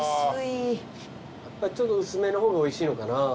やっぱりちょっと薄めの方がおいしいのかな？